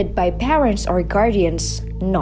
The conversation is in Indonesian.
atau penyelamat bukan anaknya